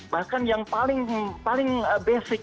bahkan yang paling basic